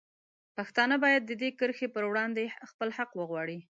پښتانه باید د دې کرښې په وړاندې خپل حق وغواړي.